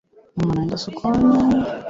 Mama anaenda sokoni.